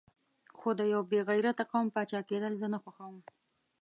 خو د یو بې غیرته قوم پاچا کېدل زه نه خوښوم.